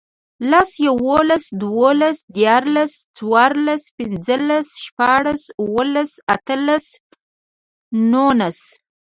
لس, یوولس, دوولس, دیرلس، څوارلس, پنځلس, شپاړس, اووهلس, اتهلس, نورلس